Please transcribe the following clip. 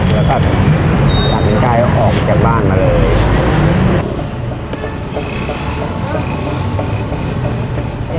แล้วก็ตัดสินใจออกจากบ้านมาเลย